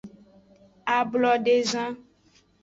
Ablodezan.